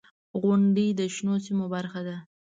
• غونډۍ د شنو سیمو برخه ده.